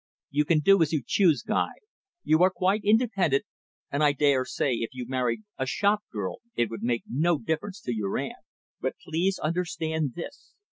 "You can do as you choose, Guy. You are quite independent, and I daresay if you married a shop girl it would make no difference to your aunt. But please understand this.